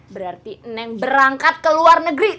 berarti neng berangkat ke luar negeri